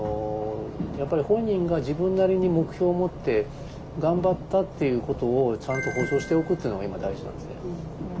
やっぱり本人が自分なりに目標を持って頑張ったっていうことをちゃんと保証しておくっていうのが今大事なんですね。